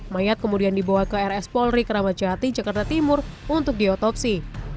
mayat kemudian dibawa ke rs polri keramat jati jakarta timur untuk diotopsi